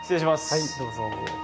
はいどうぞ。